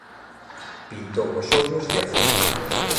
Pintou os ollos de azul